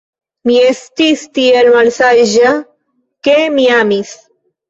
Mi estis tiel malsaĝa, ke mi amis.